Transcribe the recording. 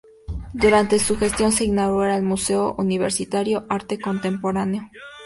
Durante su gestión se inaugura el Museo Universitario Arte Contemporáneo.